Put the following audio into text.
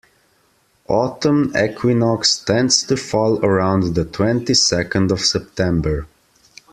Autumn equinox tends to fall around the twenty-second of September.